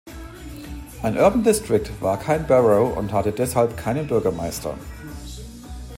Ein Urban District war kein Borough und hatte deshalb keinen Bürgermeister.